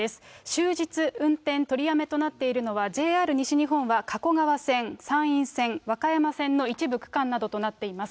終日、運転取りやめとなっているのはＪＲ西日本は加古川線、山陰線、和歌山線の一部区間などとなっています。